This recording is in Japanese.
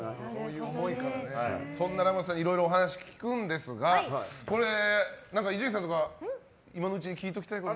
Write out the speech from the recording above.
ラモスさんにいろんなお話聞くんですが伊集院さんとか今のうちに聞いておきたいことは？